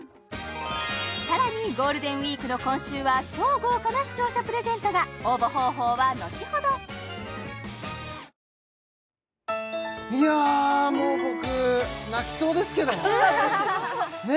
さらにゴールデンウィークの今週は超豪華な視聴者プレゼントが応募方法はのちほどいやもう僕泣きそうですけどね